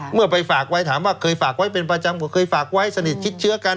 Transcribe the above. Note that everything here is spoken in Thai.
เมื่อไปฝากไว้ถามว่าเคยฝากไว้เป็นประจำก็เคยฝากไว้สนิทชิดเชื้อกัน